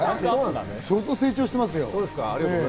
相当、成長してますよ。